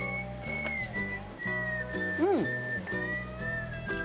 うん！